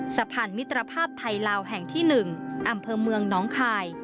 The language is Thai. สะพานมิตรภาพไทยลาวแห่งที่๑อำเภอเมืองน้องคาย